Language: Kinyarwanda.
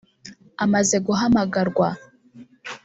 Amaze guhamagarwa